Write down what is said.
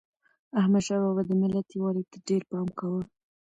احمدشاه بابا د ملت یووالي ته ډېر پام کاوه.